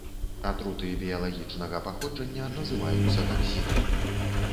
Атруты біялагічнага паходжання называюцца таксінамі.